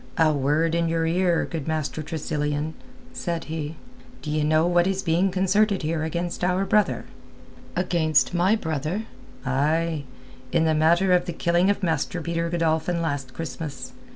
"A word in your ear, good Master Tressilian," said he. "D'ye know what is being concerted here against our brother?" "Against my brother?" "Ay—in the matter of the killing of Master Peter Godolphin last Christmas.